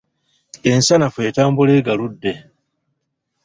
Ensanafu etambula egaludde.